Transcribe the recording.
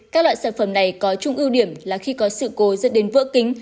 các loại sản phẩm này có chung ưu điểm là khi có sự cố dẫn đến vỡ kính